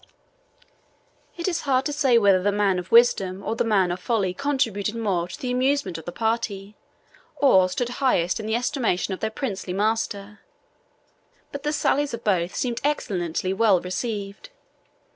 It is hard to say whether the man of wisdom or the man of folly contributed most to the amusement of the party, or stood highest in the estimation of their princely master; but the sallies of both seemed excellently well received.